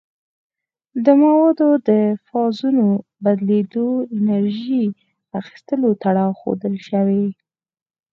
د موادو د فازونو بدلیدو او انرژي اخیستلو تړاو ښودل شوی.